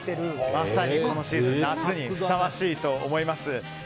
まさにこのシーズン夏にふさわしいと思います。